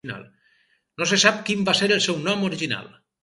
No se sap quin va ser el seu nom original.